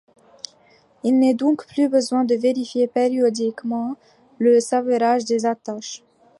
Il n'est donc plus besoin de vérifier périodiquement le serrage des attaches.